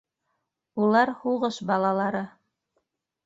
Улар һуғыш балалары.